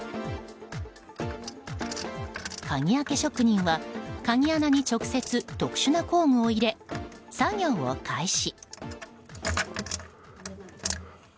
鍵開け職人は、鍵穴に直接特殊な工具を入れ、作業を開始。